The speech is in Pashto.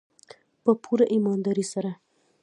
په پوره ایمانداري سره.